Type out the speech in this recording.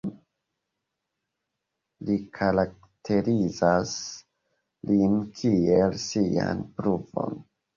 Li karakterizas lin kiel 'Sian pruvon'.